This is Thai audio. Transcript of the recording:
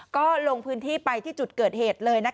ก็ลงพื้นที่ไปที่จุดเกิดเหตุเลย